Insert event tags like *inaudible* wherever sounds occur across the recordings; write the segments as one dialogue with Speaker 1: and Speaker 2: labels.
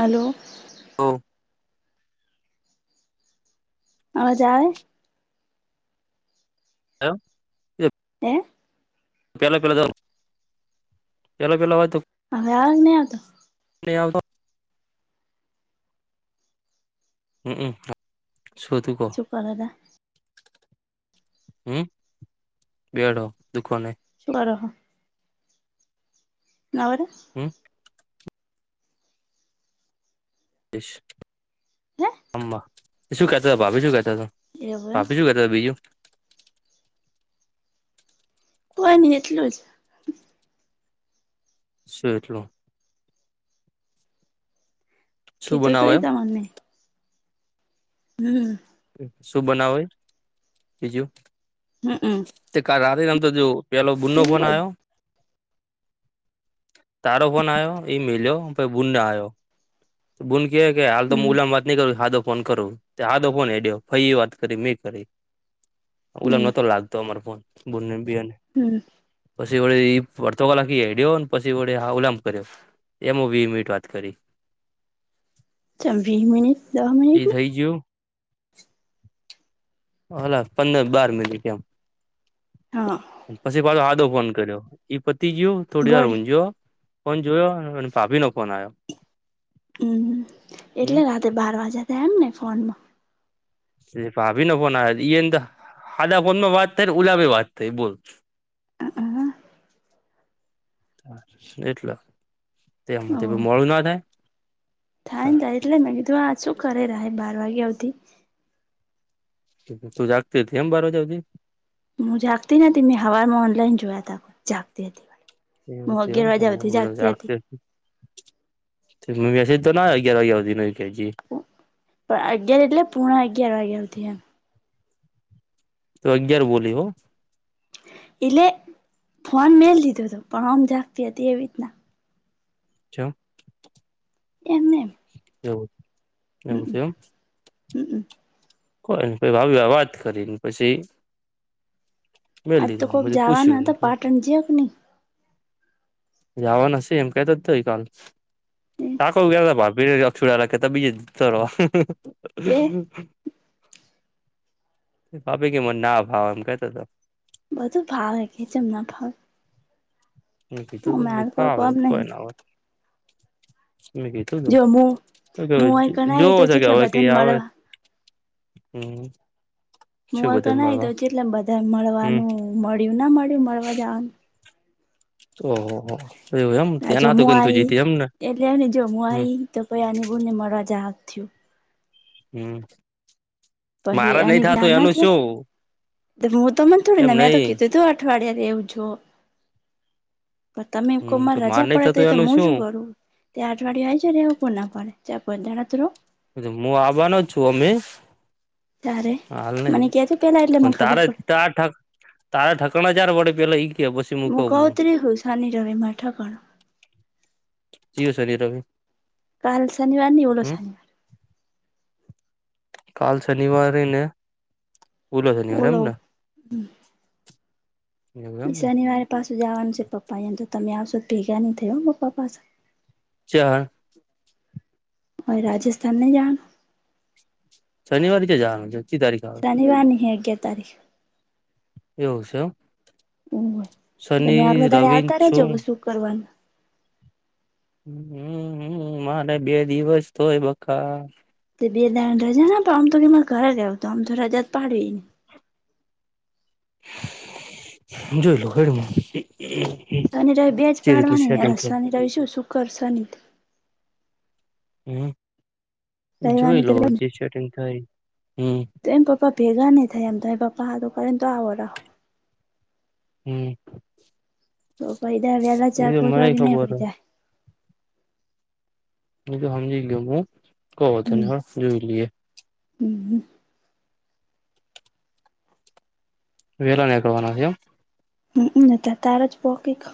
Speaker 1: આલો.
Speaker 2: ઓ.
Speaker 1: અવાજ આવે?
Speaker 2: હેલો, અ
Speaker 1: હે
Speaker 2: પેલા તો પેલા *unintelligible* તો
Speaker 1: હવે, આગને તો
Speaker 2: *unintelligible* તો હમ્મ, શું થયું?
Speaker 1: *unintelligible*
Speaker 2: હમ્મ, બેડો દુખો ને
Speaker 1: ઉભા રહો. નવ-દસ
Speaker 2: હમ્મ. શું કેતો હતા ભાભી શું કેતા હતા
Speaker 1: હે એવું એમ
Speaker 2: ભાભી શું કેતા? બીજું
Speaker 1: બસ એટલું.
Speaker 2: શું એટલું? શું
Speaker 1: કીધું હતું
Speaker 2: બનાવો એમ
Speaker 1: તમને. હમ્મ.
Speaker 2: શું બનાવાય, બીજું
Speaker 1: હમ્મ, હમ્મ.
Speaker 2: તે કાલ રાત્રે અમે તો જો પેલો બૂનો
Speaker 1: કોઈ
Speaker 2: બનાવ્યો. તારો ફોન આવ્યો, એ મેલ્યો બુંડ આવ્યો. બૂન કે હાલ તો
Speaker 1: હમ
Speaker 2: ઉલામાં વાત નઈ કરું સાધો ફોન કરું સાદો ફોન એ વાત કરી મે કરી ઓ
Speaker 1: હમ
Speaker 2: નતો લાગતો અમાર ફોન ને
Speaker 1: હમ
Speaker 2: પછી વડે અડધો કલાક હડયો પછી વડે ઉલામ કર્યો. એમાં વીસ મિનિટ વાત કરી.
Speaker 1: ચાલ વીસ મિનિટ દસ
Speaker 2: એ
Speaker 1: મિનિટ ને
Speaker 2: થઈ ગયું હલા પંદર-બાર મિનિટ એમ
Speaker 1: હા
Speaker 2: પછી પાછો આદો ફોન કર્યો. એ પતિ ગયું થોડી વાર
Speaker 1: વળ
Speaker 2: ઊંઘયો ફોન જોયો અને ભાભી નો ફોન આવ્યો.
Speaker 1: હમ્મ,
Speaker 2: હમ
Speaker 1: એટલે રાતે બાર વાગ્યા તા એમ ને ફોનમાં
Speaker 2: એ ભાભીનો ફોન આવ્યો. એને અદા ફોને ણે ઉલા ફનોએ વાત ભી થઇ બોલ.
Speaker 1: *inaudible*
Speaker 2: એટલે
Speaker 1: ઓ
Speaker 2: તેમાં મોડું ના થાય.
Speaker 1: થાય ને થાય એટલે મેને કીધું આ શું કરે બાર વાગે આવતી
Speaker 2: તું જાગતી હતી એમ બાર વાગ્યા સુધી?
Speaker 1: હું જાગતી નથી મેં હવારમાં ઓનલાઈન જોયા ત જાગતી હતી. હું અગ્યાર વાગ્યાથી જાગતી હતી.
Speaker 2: મેસસૅગે તો ના અગિયાર *unintelligible* ન કેજી
Speaker 1: પણ અગિયાર એટલે પોણા અગિયાર વાગ્યાથી એમ.
Speaker 2: તો અગિયાર બોલી હો?
Speaker 1: એટલે ફોન મે લીધો હતો પણ આમ જ આપી હતી એ રીતના
Speaker 2: કેમ?
Speaker 1: એમને એમ.
Speaker 2: એવું
Speaker 1: હમમ
Speaker 2: છે.
Speaker 1: હમમ
Speaker 2: કોઈ ને પછ *unintelligible* વાત કરીને પછી મેલ
Speaker 1: આજ તો
Speaker 2: *unintelligible*
Speaker 1: કોક
Speaker 2: મજ
Speaker 1: જવાના
Speaker 2: પુછી
Speaker 1: *unintelligible*
Speaker 2: જાવા ને શે એમ કેતો તોય કાલ
Speaker 1: નહી
Speaker 2: *unintelligible* થોડા રાખેતા બીજ ત
Speaker 1: જે
Speaker 2: ભાભી કે મને ના ભાવ એમ કેતા તા
Speaker 1: બધું ભાવ કે ચે મ ના ભાવ
Speaker 2: *unintelligible*
Speaker 1: કોઈ
Speaker 2: હા
Speaker 1: કોમ નહી
Speaker 2: કોઈ ન હોય
Speaker 1: જો મુ મુય
Speaker 2: *unintelligible*
Speaker 1: કણાય
Speaker 2: જોવો
Speaker 1: તો
Speaker 2: છે કે
Speaker 1: જેટલા
Speaker 2: હવે કે
Speaker 1: બધાને
Speaker 2: આવે
Speaker 1: મળવા
Speaker 2: હમ
Speaker 1: *unintelligible* તો
Speaker 2: છે બધાને મળવા
Speaker 1: એટલે બધા
Speaker 2: હમ
Speaker 1: મળવાનું મળ્યું ના મળ્યું મળવા જવાનું
Speaker 2: ઓહો હો
Speaker 1: આ જે હું આઈ એટલે હે
Speaker 2: હમ
Speaker 1: આઈ તો ય આની બુન ને મળવા જવાનું થયું
Speaker 2: હમ
Speaker 1: પહિ
Speaker 2: મારા
Speaker 1: અને
Speaker 2: નહી થતું
Speaker 1: ભના
Speaker 2: એનું
Speaker 1: હ
Speaker 2: શું
Speaker 1: *unintelligible* તો મને થોડી
Speaker 2: એમ
Speaker 1: ના મે તો
Speaker 2: નહી
Speaker 1: કીતો તુ અઠવાડિયા *unintelligible* પણ તમે કો
Speaker 2: હમ
Speaker 1: મારે
Speaker 2: માર
Speaker 1: રજા
Speaker 2: નહી
Speaker 1: પડે તો
Speaker 2: થતું એનું
Speaker 1: તેમાં હું શું કરું તે આઠવાળડી હોય છે *unintelligible*
Speaker 2: મુ આવવાનો જ છું હા
Speaker 1: તારે
Speaker 2: હાલ નહી
Speaker 1: મને કેજો પેલા એટલે મને
Speaker 2: પણ
Speaker 1: ખબર
Speaker 2: તારા
Speaker 1: પડે
Speaker 2: તારા ઠક તારા ઠકણા ચાર વળી પેલા
Speaker 1: હું કઉ ત રી હું શનિ રવિ મા ઠકોણ
Speaker 2: ચ્યો શનિ રવિ
Speaker 1: કાલ શનિવાર ઓલો
Speaker 2: હમ
Speaker 1: શનિવાર
Speaker 2: કાલ શનિવારે ને ઓલો શનિવાર એમને
Speaker 1: શનિવારે પાસું જવાનું છે પપ્પા અહીંયા તો ત આવશો તો ભેગા નહીં પપ્પા પાશા
Speaker 2: ચ્યા
Speaker 1: મારે રાજસ્થાનને નહીં જવાનું
Speaker 2: શનિવારે ચ્યા જવાનું છે ચી તારીખ આવે
Speaker 1: શનિવાર નહીં અગિયાર તારીખ
Speaker 2: એવું છે એમ.
Speaker 1: *unintelligible*
Speaker 2: શનિ
Speaker 1: તમે આગલા દાડે
Speaker 2: રવિ ન
Speaker 1: આવતા રેજો
Speaker 2: છું
Speaker 1: કે શું કરવાનું
Speaker 2: હમ હમ મારે બે દિવસ તો હોય બકા
Speaker 1: તે બે દાડા રજા ના આમ તો કેરે ઘરે રયો તો આમ તો રજા જ પાડવી ને
Speaker 2: જોઈ લઉ હેંડો
Speaker 1: શનિ રવિ બેજ પાડવાની અરે શનિ રવિ શું શુકર શનિ
Speaker 2: હમ
Speaker 1: રવિવારની
Speaker 2: જોઈ
Speaker 1: તો
Speaker 2: લો
Speaker 1: રજા
Speaker 2: જે સેટિંગ થાય હમ
Speaker 1: તો એમ પપ્પા ભેગા નહીં થયા તો એ પપ્પા તો આવો રા
Speaker 2: હમ
Speaker 1: *unintelligible*
Speaker 2: એ
Speaker 1: ચાર
Speaker 2: તો
Speaker 1: પાોચ
Speaker 2: મને
Speaker 1: વાગને
Speaker 2: ખબર હે
Speaker 1: કરતે
Speaker 2: એ તો હમજી ગયો હું કહો વાંધો
Speaker 1: હમ
Speaker 2: નહીં હાલ જોઈ લઈએ
Speaker 1: હમ
Speaker 2: વેલા નેકળ વાના છે એમ
Speaker 1: હમ ત તાર જ *unintelligible*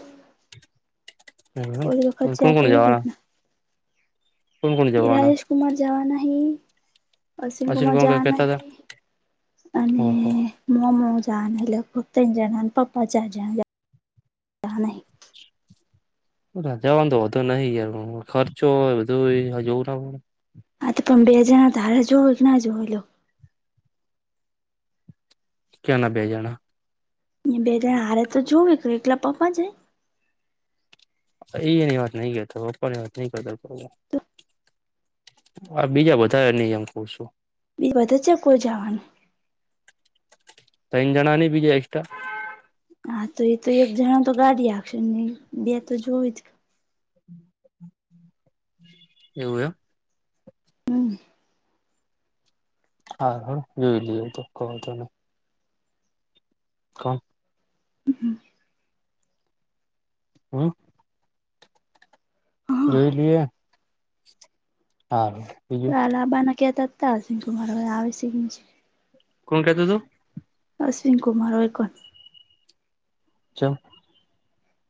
Speaker 2: હ
Speaker 1: ઓલી વખત
Speaker 2: હ કોણ
Speaker 1: જ્યાં તા
Speaker 2: કોણ
Speaker 1: એવી
Speaker 2: જવાના
Speaker 1: રીતના
Speaker 2: કોણ કોણ
Speaker 1: એ
Speaker 2: જવાના
Speaker 1: રાજેશ કુમાર જવાના હે
Speaker 2: અશિલ
Speaker 1: અશ્વિનકુમાર
Speaker 2: કોણ કઈ
Speaker 1: જવાના
Speaker 2: કેતા
Speaker 1: હે
Speaker 2: હતા
Speaker 1: અને
Speaker 2: ઓહો
Speaker 1: મોમો જવાના *unintelligible* જાના પપ્પા ચાર જાણ જા
Speaker 2: જાવાનું તો વાંધો નહી યાર ખર્ચો બધું જોવું ના પે
Speaker 1: હા તો પણ બે જણા ના હાલા જોઓ ના જો
Speaker 2: ક્યા ના બે જણા
Speaker 1: બે જણા હારે તો જોવે એકલા પપ્પા છે.
Speaker 2: એ એની વાત નઈ કરતો પપ્પા ની વાત નઈ કરતો.
Speaker 1: તો
Speaker 2: આ બીજા બધા નહી એમ કર છું.
Speaker 1: બી વધ ચ કો જવાનું.
Speaker 2: ત્રણ જણા ની બીજે એકક્સ્ટ્રા
Speaker 1: હા તો એ તો એક જણ તો ગાડી હાકશે નહી બે તો જોવી જ.
Speaker 2: એવું એમ
Speaker 1: હમ્મ
Speaker 2: હા હા જોઈ લઈ તો કહો તને કણ
Speaker 1: હમ્મ
Speaker 2: હમ્મ જોઈ
Speaker 1: હા
Speaker 2: લઈએ હા
Speaker 1: આ લાબાના ક્યાતતા સિંકુમાર આવે શ
Speaker 2: કોણ કેહેતોું તુ
Speaker 1: અશ્વિન કુમાર હોય કો
Speaker 2: ચા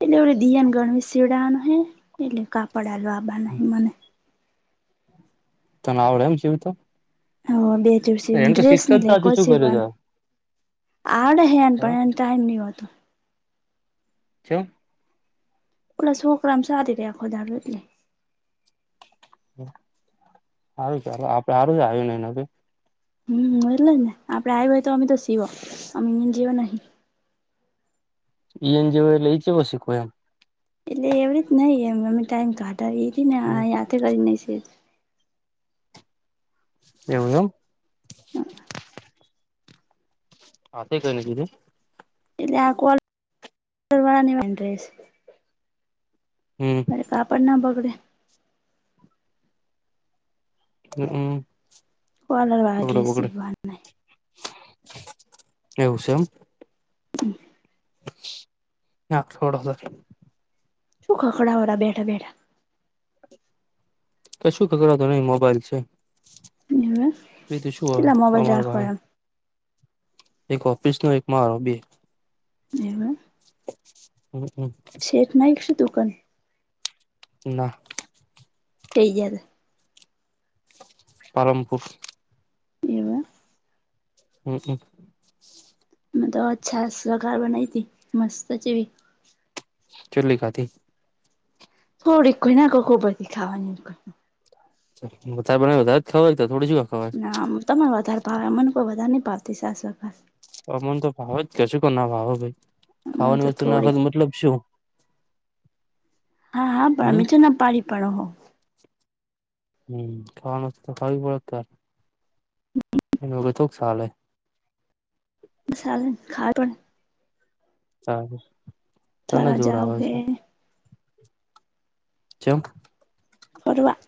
Speaker 1: એટલે એ દિન ગણવી શડાવા ન હે એટલે કાપડ લ આબ નહ મને
Speaker 2: તને આવડે એમ જવી તો
Speaker 1: હ બે દિવસીન ડ્રેસ ને
Speaker 2: શીખતા જ તું શું
Speaker 1: લેકોછી
Speaker 2: કર્યું
Speaker 1: બન આવડે હન
Speaker 2: તા હ
Speaker 1: પણ એને ટાઈમ નહી હોતો
Speaker 2: છ.
Speaker 1: પલા શો ગ્રામ શધ રહ આખોદારુ એટલે
Speaker 2: હારુ ચાલ આપડ સારુ જ આવ્યુ ને એના ભ
Speaker 1: હમ એ લને આ પ્રાય હોય તો અમમે તો સ અમ જી નાહી
Speaker 2: એ એન જે વ લઈચ બસ કો એમ
Speaker 1: એટલે એવડ જ નહ એમ અમે ટાઈમ કાઢા એ ન
Speaker 2: હમ્મ
Speaker 1: જાથે કરીને છે.
Speaker 2: એવું એમ હા તે કઈને કીધુ
Speaker 1: એટલે આ કો વાળા ની વા ર
Speaker 2: હમ
Speaker 1: બરે કા પણ ના બગડ
Speaker 2: હ હમ
Speaker 1: કોલર વાળા
Speaker 2: બગડ
Speaker 1: ડ્રેસ
Speaker 2: બગડ
Speaker 1: સીવવાના
Speaker 2: એવુ છે, એમ
Speaker 1: હમ્મ
Speaker 2: હા થોડા સર
Speaker 1: શું કકડાવાડા બેા બેડા
Speaker 2: ક શું ખબરાતોું નહી મોબાઈલ છે, બી તોું શુ
Speaker 1: કેટલા મોબાઈલ
Speaker 2: અમાર
Speaker 1: રાખો એમ
Speaker 2: એક ઓફિસ નો એક મા હોબી
Speaker 1: એવુ
Speaker 2: હમ્મ હમ્મ
Speaker 1: શેઠ નાક શું દુકાન
Speaker 2: ના
Speaker 1: થયે
Speaker 2: પારમપુર
Speaker 1: એવ
Speaker 2: હમ્મ હમ્મ
Speaker 1: મ તો અચ્છા સગાર બનાવી હતી મસ્ત છે, ભી
Speaker 2: ચુલ્લી ખાતી
Speaker 1: થોડીક કોઈ ના બધી ખાવાની
Speaker 2: મથા બનાવે વધારે જ ખાવાય તોડી
Speaker 1: ના તમને વધારે ભાવે મને કોઈ વધારે નહી પાવતી સાસ વખાસ
Speaker 2: હ મને તો ભાવે જ કેશું કે ના ભાવો ભાઈ
Speaker 1: મને તો
Speaker 2: ખાવાની વસ્તુ
Speaker 1: થોડીક
Speaker 2: નાખવા મતલબ શુ
Speaker 1: હા હા
Speaker 2: હમ
Speaker 1: તો ના પાડી પણડો હો
Speaker 2: હમ ખવાનુંસ્ તો એનો *unintelligible*
Speaker 1: *unintelligible*
Speaker 2: સાર તને
Speaker 1: તારા
Speaker 2: જોર
Speaker 1: જાવ
Speaker 2: આવે
Speaker 1: હે
Speaker 2: છે ચેમ?
Speaker 1: *inaudible*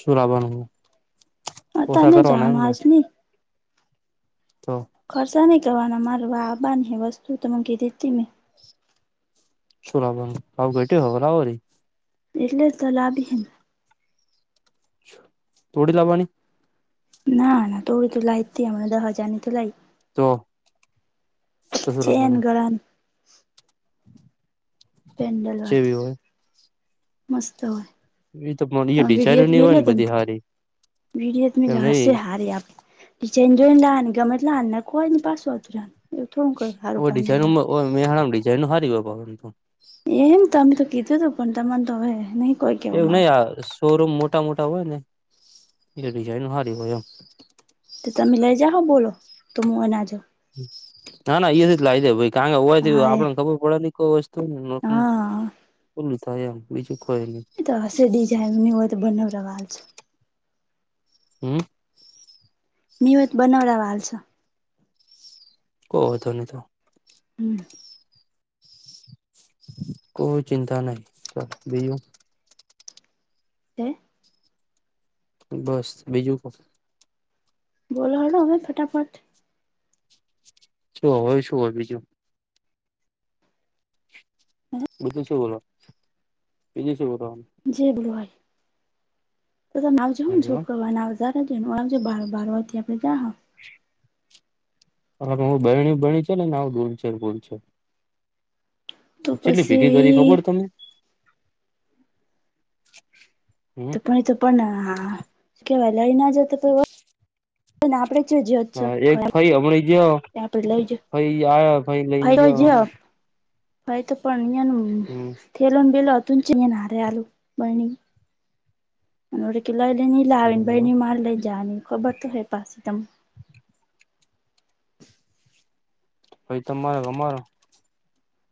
Speaker 2: શુંરાબનું
Speaker 1: તમે જામ આજ નહી
Speaker 2: તો,
Speaker 1: ખર્સા નહી કરવાના મારવા આબવાનુ હ વસ્તુ તમે કીધી હતી મેં
Speaker 2: શું લાવવાનું *unintelligible*
Speaker 1: એટલે જ તો લાવબી હ ન
Speaker 2: થોડી લાવાની
Speaker 1: ના ના તોડી તો લાઈતી દહ હજાર ની તો લાઈ
Speaker 2: તો, કશું
Speaker 1: ચેન
Speaker 2: લાવવાનું
Speaker 1: ગળા ની પેન્ડલ
Speaker 2: જેવી
Speaker 1: વાળી
Speaker 2: હોય
Speaker 1: મસ્ત હોય.
Speaker 2: એ તો એ
Speaker 1: તમે વિડિયોત *unintelligible*
Speaker 2: ડિઝાઇનની
Speaker 1: તમે
Speaker 2: હોય ને બધી હારી
Speaker 1: વિડિયત મે
Speaker 2: એમ
Speaker 1: *unintelligible*
Speaker 2: નહી
Speaker 1: હશે હારી આપ *unintelligible*
Speaker 2: ઓ ડિઝાઇન મેહાણામ ડિઝાઇનો હારી હોય.
Speaker 1: એમ તમે તો કીધું હતું પણ, તમાર તો હવે નહી. કોઈ કેવું
Speaker 2: એવું
Speaker 1: મારે
Speaker 2: નહી આ શોરૂમ મોટા, મોટા હોય ને એટલે ડિઝાઇન સારી હોય એમ.
Speaker 1: તે તમે લઈ જાઓ બોલો તો મું નાજો
Speaker 2: ના ના ઈ એજ લાવી જે ભાઈ. *unintelligible* હોવાથી
Speaker 1: હા એ
Speaker 2: આપડને ખબર પડે કોઈ વસ્તુ
Speaker 1: હા
Speaker 2: *inaudible* બોલું થાય એમ બીજું કોઈ *unintelligible*
Speaker 1: એ તો હશે ડિઝાઇન ની હોય તો બનાવરા વા છે.
Speaker 2: હમ્મ
Speaker 1: ની હોય તો બનાવરા *inaudible*
Speaker 2: *inaudible*
Speaker 1: હમ્મ
Speaker 2: કોઈ ચિંતા નહી બીજું
Speaker 1: *inaudible*
Speaker 2: બસ બીજું કો
Speaker 1: બોલો હેડો હવે ફટાફટ.
Speaker 2: શું હોય શું હોય બીજું?
Speaker 1: *inaudible*
Speaker 2: બીજુ શું બોલો? બીજુ શું બોલો?
Speaker 1: *inaudible*
Speaker 2: બોલવાનું
Speaker 1: *unintelligible* *unintelligible*
Speaker 2: હું બહેણી ભણી છે ને ભૂલ છે ભૂલ છે.
Speaker 1: તો
Speaker 2: ચેટલી ભેગી કરી ખબર
Speaker 1: પછી
Speaker 2: તમે? હમ
Speaker 1: પણ એ તો પણ હા કેવાય લઈ ના જતો આપડે *inaudible* છે,
Speaker 2: હા
Speaker 1: તે આપડે લઈ જ
Speaker 2: ભાઈ આયો ભાઈ લઈ
Speaker 1: ફાઈ જ
Speaker 2: ગયો.
Speaker 1: ભાઈ તો પણ અહિયાં
Speaker 2: હમ
Speaker 1: થેલોને બેેલો હતું છે, અ હારે આલું બણી. *inaudible* લાવીને ભાઈની માર લઈ જાવાની ખબર તો હે પાસી તમ
Speaker 2: ભઈ, તમારો ક અમારો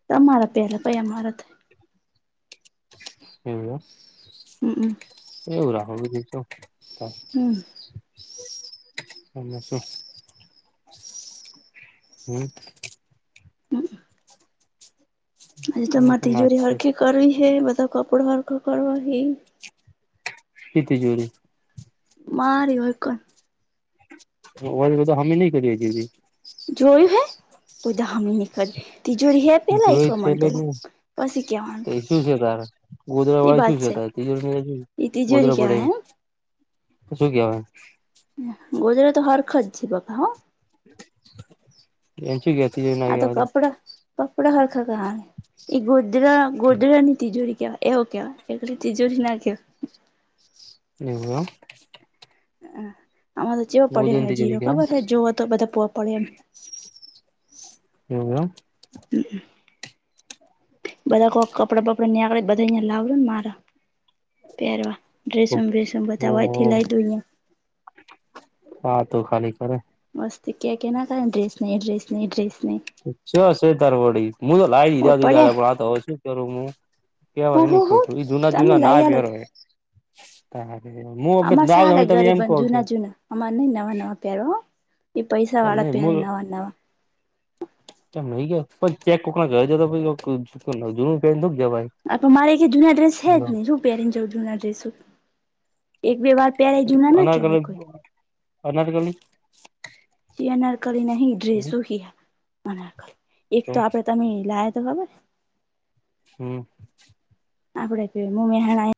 Speaker 1: તમારો પેલા પહી અમારો થાય.
Speaker 2: એવું
Speaker 1: હમમ
Speaker 2: કે, એવું રાખો બીજું તો હું
Speaker 1: હમ,
Speaker 2: *unintelligible*
Speaker 1: હમ્મ આજે ત
Speaker 2: અમે
Speaker 1: મારે
Speaker 2: તો નાચ
Speaker 1: તિજોરી
Speaker 2: છે
Speaker 1: હરખી કરવી હે બધો કપડો હરખો કરવો હે
Speaker 2: કે તિજોરી
Speaker 1: મારી ઓર કો
Speaker 2: અવાજ બધો હામે નઈ કરીએ છીએ તે
Speaker 1: જોયું હે બધો હામે ની કરીએ તિજોરી હે પેલા એ
Speaker 2: જોઈ છે
Speaker 1: કમન
Speaker 2: એટલે જ
Speaker 1: પેલા પસી કેવાનુ
Speaker 2: તો એ શું છે તારે ગોદળા વાયચું છે, તારે તિજોરીની જીક
Speaker 1: એ તિજોરી
Speaker 2: ગોદળા પડ્યા
Speaker 1: કેવાય
Speaker 2: ઈ
Speaker 1: એમ
Speaker 2: ત શું કેવાન
Speaker 1: અ બોલો તો હરખો જ જી બાપા હ
Speaker 2: એચું ગેતીએ ના કેવાતા
Speaker 1: કપડાં હરખા કરવાની એ ગોદળા ગોદળાની તિજોરી કેવાય એવું કેવાય એખલી તિજોરી ના કેવાય
Speaker 2: ની બોલો
Speaker 1: હ, આમાં તો ચેવ
Speaker 2: એમ
Speaker 1: પડયો
Speaker 2: ગોધરા ની
Speaker 1: હે
Speaker 2: તિજોરી
Speaker 1: જીરો
Speaker 2: કેવાય
Speaker 1: ખબર હે જોવો તો બધા પવ પડે એમ
Speaker 2: એવવા
Speaker 1: હ, બધા કોક કપડા બપડાની આકળે બધા અયા લાવજો ને મારા પેરવા ડ્રેસમ બેસમ બધા ઓયથી
Speaker 2: ઓહ
Speaker 1: લાય દું અયા
Speaker 2: હા, તો ખાલી કરે
Speaker 1: મસ્ત ક્યાંય કેના અતા ને ડ્રેસ નઈ ડ્રેસ નઈ ડ્રેસ નઈ
Speaker 2: છત્તર તાર વડી મું તો લાઈ દીધા દીધાડે પણ આ તો અવે શુ કરુ હુ
Speaker 1: હુ હુ હુ તમે લાઈ આલો ત
Speaker 2: પહેરો હે તારે હું હવે
Speaker 1: અમાર
Speaker 2: ના
Speaker 1: સાલે
Speaker 2: તમે તમે એમ
Speaker 1: ગરીબધુ
Speaker 2: કહો કે
Speaker 1: જૂના જૂના અમાર ની નવા નવા પેરવા હ એ પૈસા
Speaker 2: એમ
Speaker 1: વાળા
Speaker 2: નઈ
Speaker 1: પેરે નવા નવા
Speaker 2: ત નહી ગયા પછ ચે કોક ગયો તો કોક જૂનું કાય નોતું દેવાય
Speaker 1: આ તો મારે કઈ જૂના ડ્રેસ હે જ ને હું પેરીને જાવ જૂના ડ્રેસો એક-બે વાર પેરે એ જૂના ના
Speaker 2: અનારકલી
Speaker 1: કેવાય કોઈ
Speaker 2: અનારકલી
Speaker 1: જે અનારકલી નહી
Speaker 2: હમ
Speaker 1: ડ્રેસો કીયા અનારકલી એક તો આપડે તમે લાયા તો ખબર
Speaker 2: હ,
Speaker 1: આપડે કેવું મેહણા એ